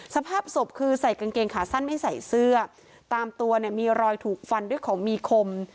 สภาพศพคือใส่กางเกงขาสั้นไม่ใส่เสื้อตามตัวเนี่ยมีรอยถูกฟันด้วยของมีคม